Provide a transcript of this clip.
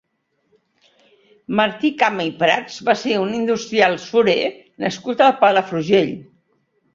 Martí Cama i Prats va ser un industrial surer nascut a Palafrugell.